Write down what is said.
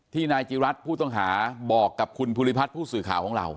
นายจิรัตน์ผู้ต้องหาบอกกับคุณภูริพัฒน์ผู้สื่อข่าวของเรา